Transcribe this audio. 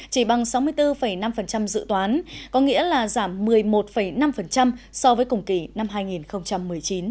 chỉ bằng sáu mươi bốn năm dự toán có nghĩa là giảm một mươi một năm so với cùng kỳ năm hai nghìn một mươi chín